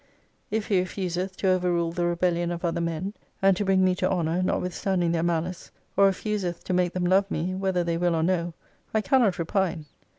If He refuseth to overrule the rebellion of other men, and to bring me to Honour, notwithstand ing their malice ; or refuseth to make them love me, whether they will or no, I cannot repine.